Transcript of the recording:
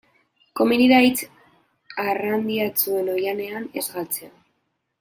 Komeni da hitz arrandiatsuen oihanean ez galtzea.